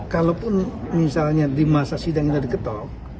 kalaupun misalnya di masa sidang sudah diketok